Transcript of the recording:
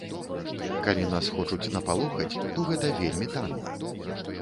Калі нас хочуць напалохаць, то гэта вельмі танна.